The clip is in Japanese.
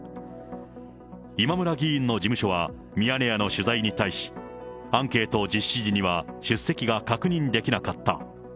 今村議員の事務所は、ミヤネ屋の取材に対し、アンケート実施時には出席が確認できなかった。